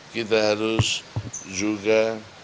kita harus juga